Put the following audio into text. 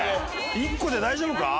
１個で大丈夫か？